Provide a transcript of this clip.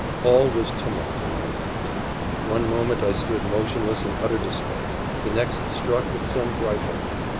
All was tumult in my mind: one moment I stood motionless in utter despair, the next struck with some bright hope.